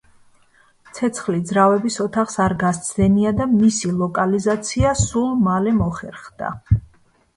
ცეცხლი ძრავების ოთახს არ გასცდენია და მისი ლოკალიზაცია სულ მალე მოხერხდა.